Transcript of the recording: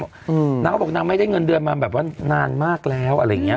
นางก็บอกนางไม่ได้เงินเดือนมาแบบว่านานมากแล้วอะไรอย่างเงี้